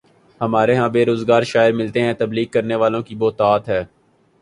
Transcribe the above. ہمارے ہاں بے روزگار شاعر ملتے ہیں، تبلیغ کرنے والوں کی بہتات ہے۔